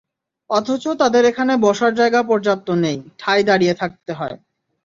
অথচ তাঁদের এখানে বসার জায়গা পর্যপ্ত নেই, ঠায় দাঁড়িয়ে থাকতে হয়।